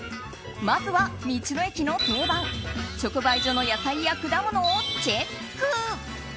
まずは、道の駅の定番直売所の野菜や果物をチェック。